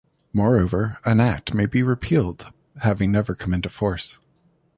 Moreover, an Act may be repealed having never come into force.